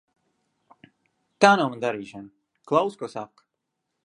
Tā nav mana darīšana. Klausi, ko saka.